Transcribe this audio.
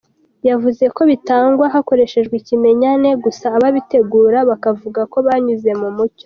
Yavuze ko bitangwa hakoreshejwe ikimenyane gusa ababitegura bakavuga ko byanyuze mu mucyo.